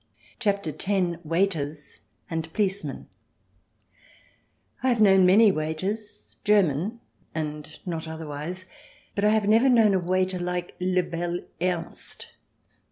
CHAPTER X WAITERS AND POLICEMEN I HAVE known many waiters, German, and not otherwise, but I have never known a waiter like Le bel Ernst.